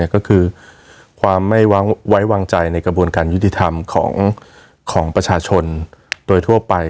ก็คือความไม่ไว้วางใจในกระบวนการยุติธรรมของประชาชนโดยทั่วไป